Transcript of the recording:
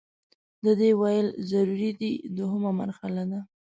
د دې ویل ضروري دي دوهمه مرحله ده.